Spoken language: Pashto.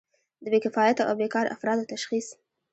د بې کفایته او بیکاره افرادو تشخیص.